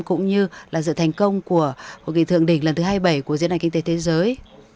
cũng như là sự thành công của hội nghị thượng đỉnh lần thứ hai mươi bảy của diễn đàn kinh tế thế giới